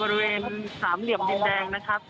เหลือเพียงกลุ่มเจ้าหน้าที่ตอนนี้ได้ทำการแตกกลุ่มออกมาแล้วนะครับ